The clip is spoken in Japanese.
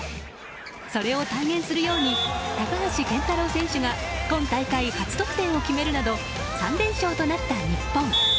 それを体現するように高橋健太郎選手が今大会初得点を決めるなど３連勝となった日本。